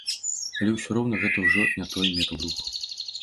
Але ўсё роўна гэта ўжо не той метал-рух.